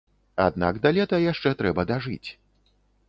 Аднак да лета яшчэ трэба дажыць.